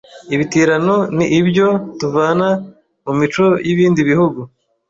Ibitirano ni ibyo tuvana mu mico y’ibindi bihugu